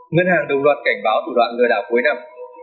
ngân hàng đồng loạt cảnh báo thủ đoạn lừa đảo cuối năm